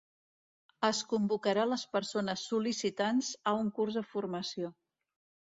Es convocarà les persones sol·licitants a un curs de formació.